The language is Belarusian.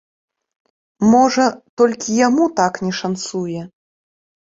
Можа, толькі яму так не шанцуе?